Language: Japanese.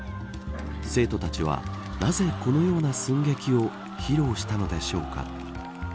生徒たちはなぜこのような寸劇を披露したのでしょうか。